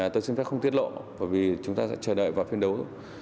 tôi xin phép không tiết lộ bởi vì chúng ta sẽ chờ đợi vào phiên đấu